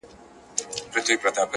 كه زړه يې يوسې و خپل كور ته گراني ،